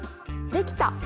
できた！